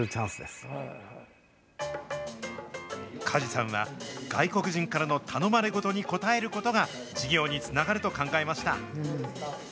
加地さんは、外国人からの頼まれごとに応えることが、事業につながると考えました。